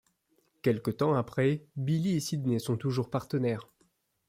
Quelque temps après, Billy et Sidney sont toujours partenaires.